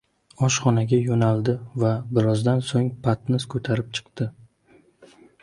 oshxonaga yoʻnaldi va birozdan soʻng patnis koʻtarib chiqdi.